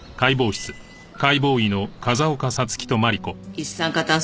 一酸化炭素